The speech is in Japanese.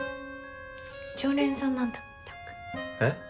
常連さんなんだたっくん。えっ？